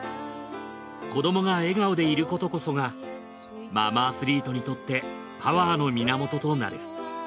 子どもが笑顔でいることこそがママアスリートにとってパワーの源となる。